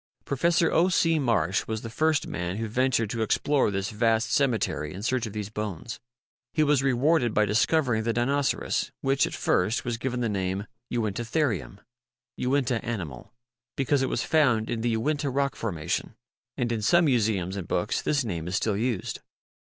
Professor 0. C. Marsh was the first man who ventured to explore this vast cemetery in search of these bones. He was rewarded by discovering the Dinoceras which, at first, was given the name Uintatherium Uinta Animal because it was found in the Uinta rock formation, and in some museums and books this name is still used.